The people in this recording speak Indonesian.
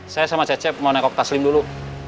saya sama cecep mau nekok taslim dulu